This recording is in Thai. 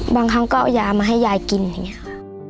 บางครั้งก็เอายามาให้ยายกินอย่างนี้ค่ะ